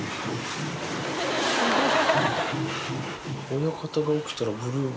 親方が起きたら、ブルーも。